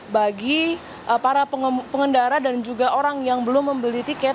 bagi para pengendara dan juga orang yang belum membeli tiket